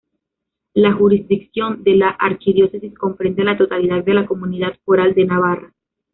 La jurisdicción de la archidiócesis comprende la totalidad de la Comunidad foral de Navarra.